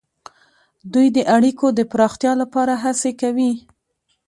دوی د اړیکو د پراختیا لپاره هڅې کوي